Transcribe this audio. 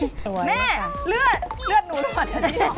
แม่เลือดเหลือดหนูเหรอเดี๋ยวดูหอบประหลัง